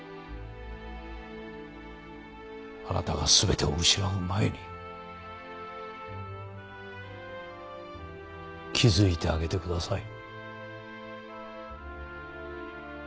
あなたが全てを失う前に気づいてあげてください。